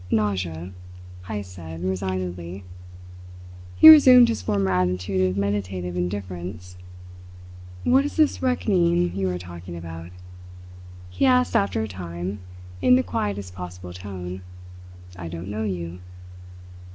Nausea," Heyst said resignedly. He resumed his former attitude of meditative indifference. "What is this reckoning you are talking about?" he asked after a time, in the quietest possible tone. "I don't know you."